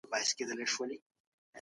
پیغمبر وایي چي په مال کي بل حق هم سته.